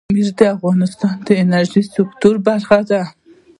پامیر د افغانستان د انرژۍ سکتور برخه ده.